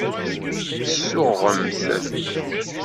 Tsuɣemt.